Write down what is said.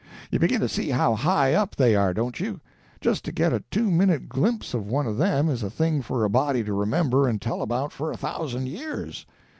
You begin to see how high up they are, don't you? just to get a two minute glimpse of one of them is a thing for a body to remember and tell about for a thousand years.